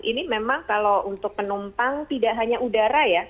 ini memang kalau untuk penumpang tidak hanya udara ya